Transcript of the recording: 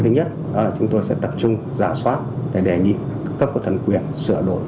thứ nhất là chúng tôi sẽ tập trung giả soát để đề nghị các cơ thần quyền sửa đổi